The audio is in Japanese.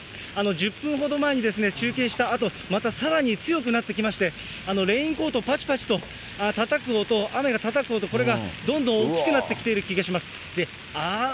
１０分ほど前に中継したあと、またさらに強くなってきまして、レインコートをぱちぱちとたたく音、雨がたたく音、これがどんどん大きくなってきている気がします。